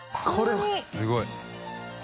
すごい。